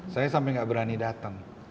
saya sampai nggak berani datang